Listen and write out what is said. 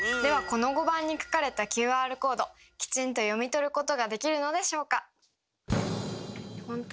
この碁盤に描かれたＱＲコードきちんと読み取ることができるのでしょうか。